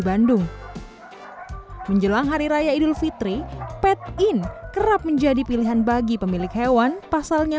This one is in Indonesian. bandung menjelang hari raya idul fitri pat in kerap menjadi pilihan bagi pemilik hewan pasalnya